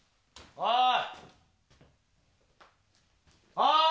おい！